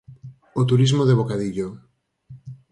O turismo de bocadillo.